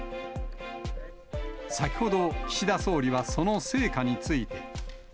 先ほど、岸田総理はその成果について。